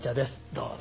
どうぞ。